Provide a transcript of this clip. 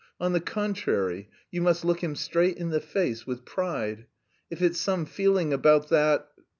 On the contrary, you must look him straight in the face, with pride.... If it's some feeling about that...